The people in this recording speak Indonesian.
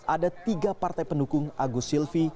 ada tiga partai pendukung agus silvi